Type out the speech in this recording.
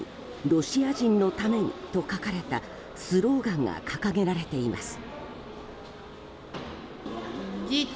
「ロシア人のために」と書かれたスローガンが掲げられています。